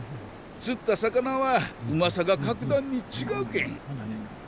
釣った魚はうまさが格段に違うけん。